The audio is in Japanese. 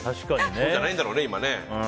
そうじゃないんだろうね、今。